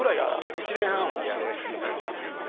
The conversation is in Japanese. １年半ほどやらせていただいたんですけどね